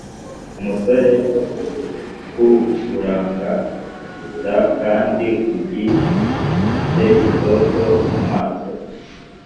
umusorec w uburanga d kandi ugi te itoto mu maso